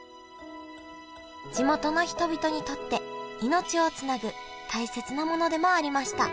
地元の人々にとって命をつなぐ大切なものでもありました